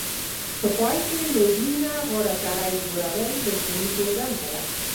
په پای کې له دوی نه غوره سړی جوړول د ښوونکو دنده ده.